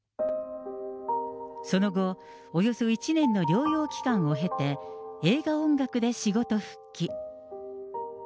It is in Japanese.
その後、およそ１年の療養期間を経て、映画音楽で仕事復帰。